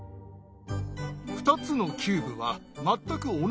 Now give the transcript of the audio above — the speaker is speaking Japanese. ２つのキューブは全く同じ大きさだ。